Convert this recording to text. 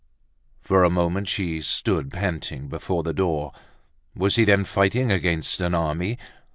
For a moment she stood panting before the door. Was he then fighting against an army?